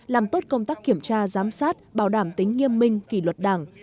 làm tốt công tác kiểm tra giám sát bảo đảm tính nghiêm minh kỷ luật đảng